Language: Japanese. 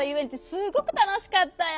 すごくたのしかったよ。